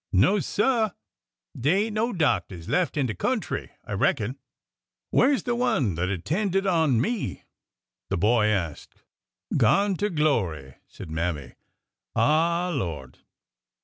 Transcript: " No, sir ; dey ain't no doctors left in de country, I reckon." ," Where 's that one that attended on me ?" the boy asked. i " Gone to glory !" said Mammy. " Ah h, Lord